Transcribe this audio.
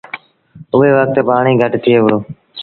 اُئي وکت پآڻيٚ گھٽ ٿئي وُهڙو۔